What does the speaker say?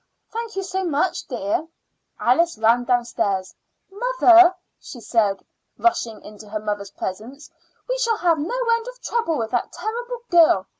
"Thank you so much, dear." Alice ran downstairs. "Mother," she said, rushing into her mother's presence, "we shall have no end of trouble with that terrible girl.